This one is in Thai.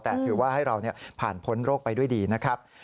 แต่ถือว่าให้เราผ่านพ้นโรคไปด้วยดีนะครับ